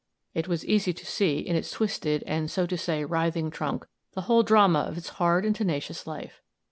"It was easy to see in its twisted and, so to say, writhing trunk, the whole drama of its hard and tenacious life.